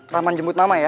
rahman jemput mama ya